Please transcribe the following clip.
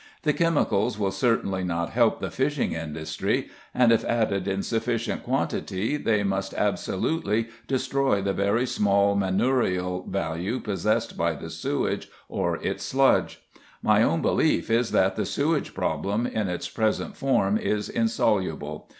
The chemicals will certainly not help the fishing industry, and if added in sufficient quantity they must absolutely destroy the very small manurial value possessed by the sewage or its sludge. My own belief is that the sewage problem in its present form is insoluble.